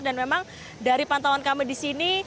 dan memang dari pantauan kami disini